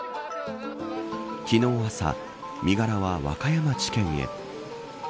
昨日朝身柄は和歌山地検へ。